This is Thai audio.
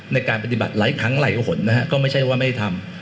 ในการปฏิบัติหลายครั้งหลายกว่าหนนะฮะก็ไม่ใช่ว่าไม่ได้ทำ